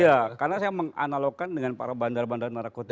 iya karena saya menganalogkan dengan para bandar bandar narkotika